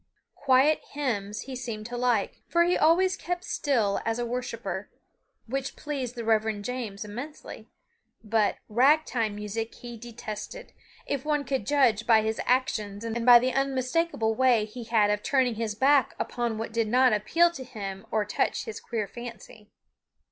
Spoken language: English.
Quiet hymns he seemed to like, for he always kept still as a worshiper, which pleased the Reverend James immensely, but "rag time" music he detested, if one could judge by his actions and by the unmistakable way he had of turning his back upon what did not appeal to him or touch his queer fancy.